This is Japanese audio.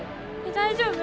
大丈夫？